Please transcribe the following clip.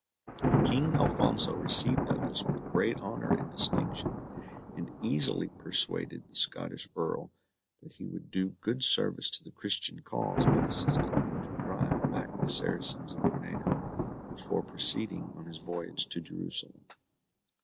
King Alphonso received Douglas with great honour and distinction, and easily persuaded the Scottish Earl that he would do good service to the Christian cause, by assisting him to drive back the Saracens of Granada before proceeding on his voyage to Jerusalem.